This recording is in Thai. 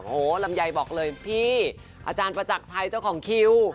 โอ้โหลำไยบอกเลยพี่อาจารย์ประจักรชัยเจ้าของคิว